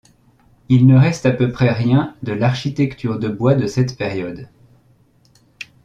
Il ne reste à peu près rien de l'architecture de bois de cette période.